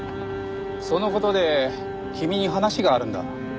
その事で君に話があるんだ。